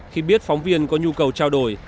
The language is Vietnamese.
khi biết phóng viên có nhu cầu trao đổi